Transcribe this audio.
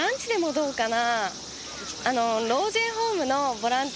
「どうかな？